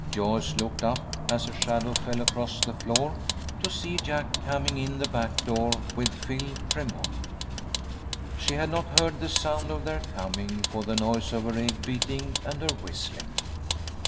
Joyce looked up as a shadow fell across the floor, to see Jack coming in the back door with Phil Tremont. She had not heard the sound of their coming, for the noise of her egg beating and her whistling.